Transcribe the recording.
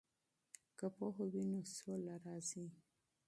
که پوهه وي نو سوله راځي.